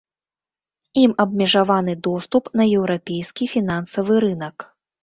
Ім абмежаваны доступ на еўрапейскі фінансавы рынак.